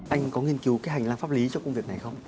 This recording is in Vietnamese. anh có nghiên cứu cái hành lang pháp lý cho công việc này không